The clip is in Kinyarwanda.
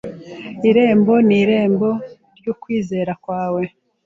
Irembo n'irembo ry'ukwizera kwawe